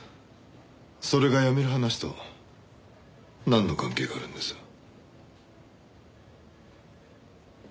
それが辞める話となんの関係があるんです？